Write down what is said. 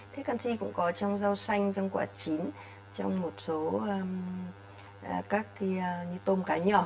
thế canxi cũng có trong rau xanh trong quả chín trong một số các như tôm cá nhỏ